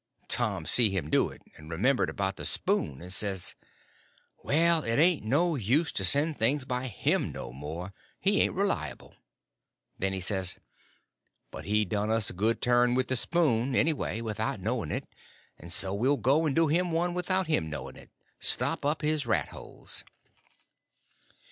Tom see him do it, and remembered about the spoon, and says: "Well, it ain't no use to send things by him no more, he ain't reliable." Then he says: "But he done us a good turn with the spoon, anyway, without knowing it, and so we'll go and do him one without him knowing it—stop up his rat holes."